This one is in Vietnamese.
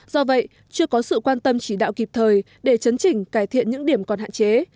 do vậy chưa có sự quan tâm chỉ đạo kịp thời để chấn chỉnh cải thiện những điểm còn hạn chế